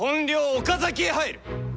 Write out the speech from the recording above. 岡崎へ入る！